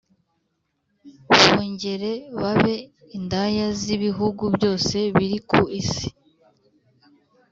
bongere babe indaya z’ibihugu byose biri ku isi,